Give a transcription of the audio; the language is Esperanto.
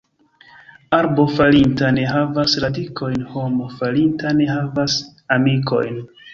Arbo falinta ne havas radikojn, homo falinta ne havas amikojn.